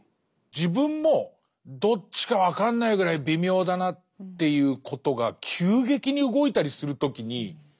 自分もどっちか分かんないぐらい微妙だなっていうことが急激に動いたりする時にちょっと怪しいですよね。